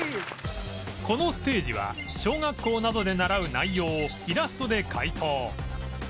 このステージは小学校などで習う内容をイラストで解答